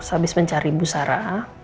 abis mencari busara